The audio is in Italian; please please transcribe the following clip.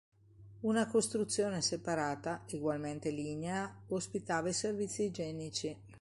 Una costruzione separata, egualmente lignea, ospitava i servizi igienici.